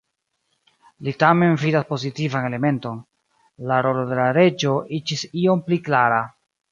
Li tamen vidas pozitivan elementon: la rolo de la reĝo iĝis iom pli klara.